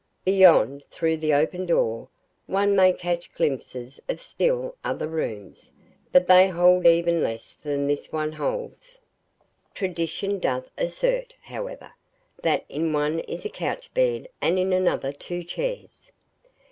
Beyond, through the open door, one may catch glimpses of still other rooms; but they hold even less than this one holds. Tradition doth assert, however, that in one is a couch bed, and in another, two chairs."